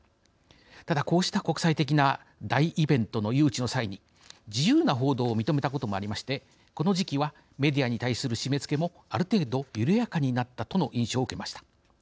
ただ、こうした国際的な大イベントの誘致の際に自由な報道を認めたこともありましてこの時期はメディアに対する締めつけもある程度緩やかになったとの印象を受けました。